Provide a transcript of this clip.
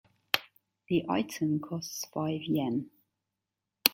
The item costs five Yen.